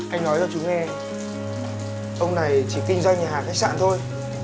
anh nói là chú nghe ông này chỉ kinh doanh nhà hàng khách sạn thôi